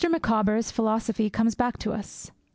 Micawber's philosophy comes back to us.